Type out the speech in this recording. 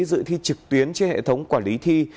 dự thi trực tuyến trên hệ thống quản lý thi